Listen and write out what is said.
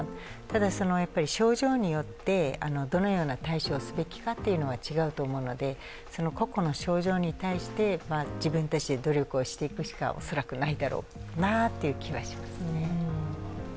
ただ、症状によってどのような対処をすべきかというのは違うので、個々の症状に対して自分たちで努力をしていくしかないだろうなという気はします。